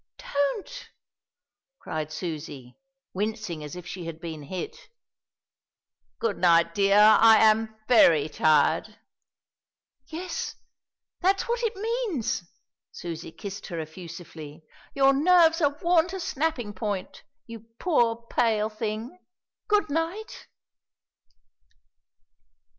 "Don't!" cried Susie, wincing as if she had been hit. "Good night, dear, I am very tired." "Yes, that's what it means!" Susie kissed her effusively. "Your nerves are worn to snapping point, you poor, pale thing. Good night."